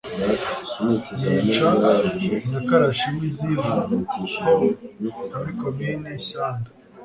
yica Nyakarashi w'i Zivu ho muri Komini Shyanda